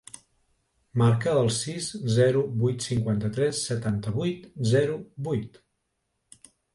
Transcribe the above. Marca el sis, zero, vuit, cinquanta-tres, setanta-vuit, zero, vuit.